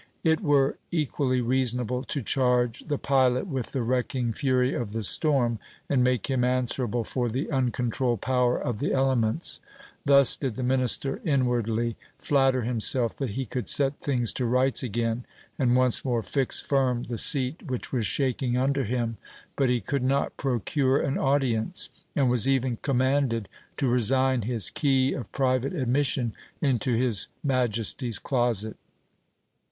It were equally reasonable to charge the pilot with the wrecking fury of the storm, and make him answerable for the uncontrolled power of the elements. Thus did the minister inwardly flatter himself that he could set things to rights again, and once more fix firm the seat which was shaking under him ; but he could not procure an audience, and was even commanded to resign his key of private admission into his majesty's closet.